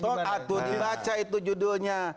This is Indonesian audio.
aduh dibaca itu judulnya